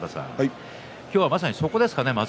今日はまさに、そこですかね。